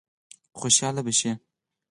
خوشاله به شي.